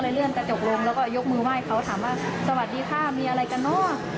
เลื่อนกระจกลงแล้วก็ยกมือไหว้เขาถามว่าสวัสดีค่ะมีอะไรกันเนอะ